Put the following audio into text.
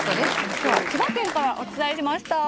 きょうは千葉県からお伝えしました。